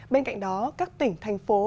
bên cạnh đó các tỉnh thành phố